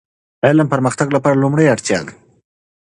علم د پرمختګ لپاره لومړنی اړتیا ده.